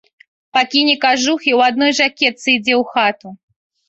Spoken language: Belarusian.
Пакіне кажух і ў адной жакетцы ідзе ў хату.